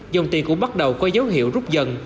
dòng tiền cũng bắt đầu có dấu hiệu rút dần